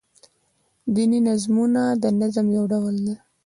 دیني نظمونه دنظم يو ډول دﺉ.